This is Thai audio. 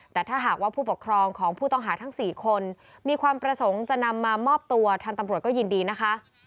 แต่ถ้าหากว่าผู้ปกครองของผู้ต้องหาทั้ง๔คนมีความประสงค์จะนำมามอบตัวทางตำรวจก็ยินดีนะคะ